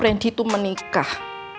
randy tuh menikah